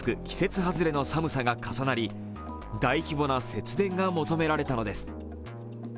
季節外れの寒さが重なり大規模な節電が求められたのです。